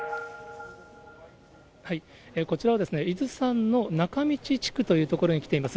こちらは伊豆山のなかみち地区という所に来ています。